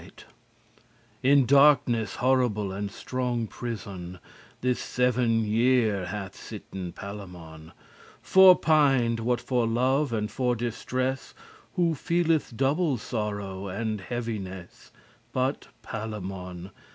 *little In darkness horrible, and strong prison, This seven year hath sitten Palamon, Forpined*, what for love, and for distress. *pined, wasted away Who feeleth double sorrow and heaviness But Palamon?